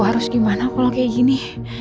harus gimana kalau kayak gini